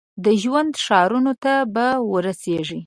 د ژوند ښارونو ته به ورسیږي ؟